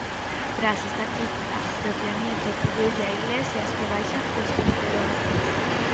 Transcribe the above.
Tras esta crítica, a propia Nieto pediulle a Iglesias que baixe a testosterona.